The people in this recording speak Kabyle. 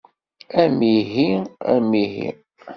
Amihi, amihi!